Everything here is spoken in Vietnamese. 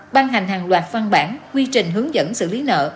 ban hành hàng loạt văn bản quy trình hướng dẫn xử lý nợ